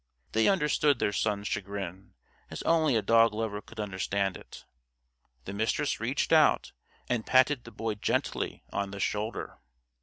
They understood their son's chagrin, as only a dog lover could understand it. The Mistress reached out and patted the Boy gently on the shoulder.